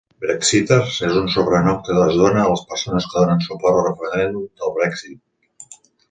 "Brexiteers" és un sobrenom que es dóna a les persones que donen suport al referèndum del Brexit.